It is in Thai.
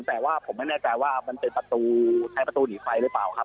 แต่ว่าผมไม่แน่ใจว่ามันเป็นประตูใช้ประตูหนีไฟหรือเปล่าครับ